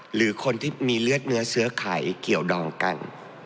หรือคนที่มีเลือดเนื้อเสื้อไขเกี่ยวดองกัน